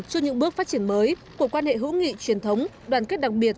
cho những bước phát triển mới của quan hệ hữu nghị truyền thống đoàn kết đặc biệt